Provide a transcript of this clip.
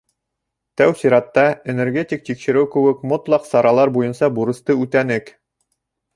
— Тәү сиратта энергетик тикшереү кеүек мотлаҡ саралар буйынса бурысты үтәнек.